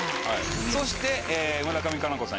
そして村上佳菜子さん